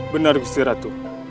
benar gusti ratu